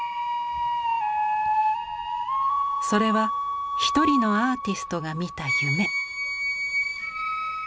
それは一人のアーティストが見た夢。